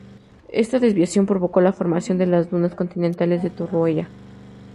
Esta desviación provocó la formación de las dunas continentales de Torroella.